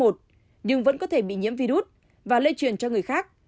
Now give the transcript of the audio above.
nhưng vẫn có thể bị nhiễm virus và lây truyền cho người khác